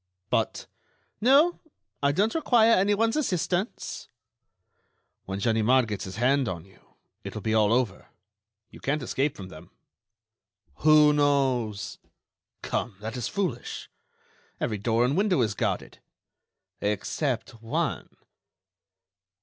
"But—" "No, I don't require anyone's assistance." "When Ganimard gets his hand on you, it will be all over. You can't escape from them." "Who knows?" "Come, that is foolish. Every door and window is guarded." "Except one."